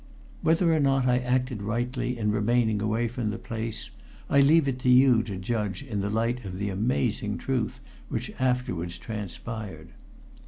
Whether or not I acted rightly in remaining away from the place, I leave it to you to judge in the light of the amazing truth which afterwards transpired.